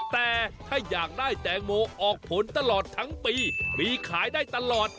แต่ถ้าอยากได้แตงโมออกผลตลอดทั้งปีมีขายได้ตลอด